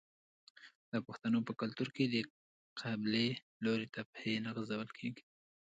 د پښتنو په کلتور کې د قبلې لوري ته پښې نه غځول کیږي.